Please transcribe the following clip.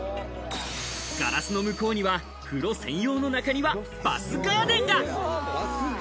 ガラスの向こうには風呂専用の中庭、バスガーデンが。